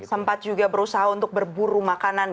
sempat juga berusaha untuk berburu makanan